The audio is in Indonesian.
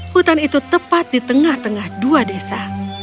hutan itu tepat di tengah tengah dua desa